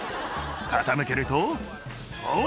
傾けるとそれ！